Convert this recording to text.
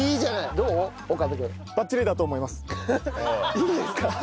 いいですか？